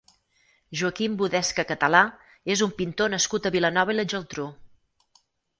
Joaquim Budesca Català és un pintor nascut a Vilanova i la Geltrú.